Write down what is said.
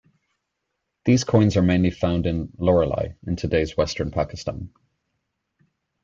These coins are mainly found in Loralai in today's western Pakistan.